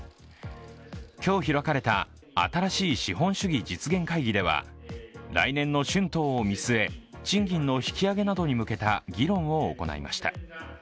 今日開かれた新しい資本主義実現会議では来年の春闘を見据え、賃金の引き上げなどに向けた議論を行いました。